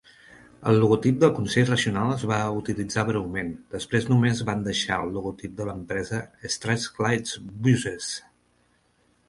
El logotip del Consell regional es va utilitzar breument, després només van deixar el logotip de l'empresa Strathclyde's Buses.